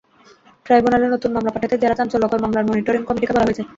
ট্রাইব্যুনালে নতুন মামলা পাঠাতে জেলা চাঞ্চল্যকর মামলার মনিটরিং কমিটিকে বলা হয়েছে।